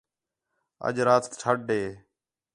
اَڄ رات ٹھڈ ہے